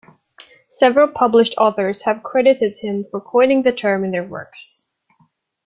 Several published authors have credited him for coining the term in their works.